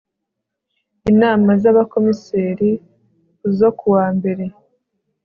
inama z abakomiseri zo kuwa mbere